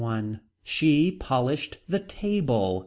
She polished the table.